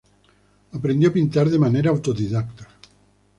Aprendió a pintar de manera autodidacta.